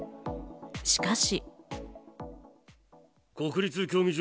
しかし。